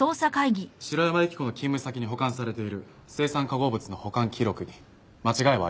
城山由希子の勤務先に保管されている青酸化合物の保管記録に間違いはありませんでした。